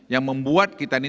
yang membuat kita ini